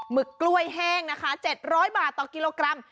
ึกกล้วยแห้งนะคะ๗๐๐บาทต่อกิโลกรัม